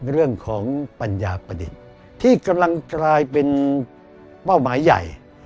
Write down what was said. เรื่องของปัญญาประดิษฐ์ที่กำลังกลายเป็นเป้าหมายใหญ่